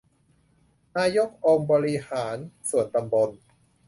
นายกองค์การบริหารส่วนตำบล